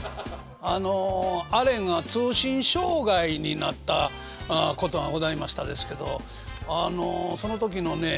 あのあれが通信障害になったことがございましたですけどその時のね